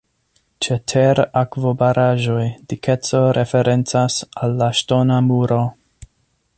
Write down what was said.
Ĉe ter-akvobaraĵoj, dikeco referencas al la ŝtona muro.